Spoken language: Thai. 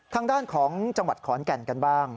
ทางด้านของจังหวัดขอนแก่นกันบ้าง